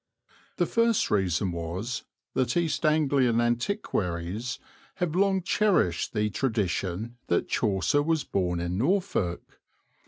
The first reason was that East Anglian antiquaries have long cherished the tradition that Chaucer was born in Norfolk.